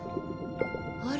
あれ？